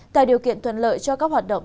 tại điều kiện thuận lợi cho các hoạt động